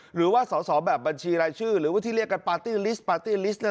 หรือว่าสอบแบบบัญชีรายชื่อหรือว่าที่เรียกกันปาร์ตี้ลิสต์